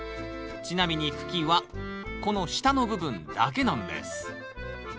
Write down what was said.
ちなみに茎はこの下の部分だけなんです。